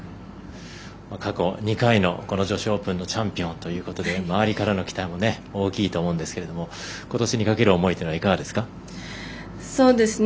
過去２回の女子オープンのチャンピオンということで周りからの期待も大きいと思うんですがことしのかける思いというのはいかがですか？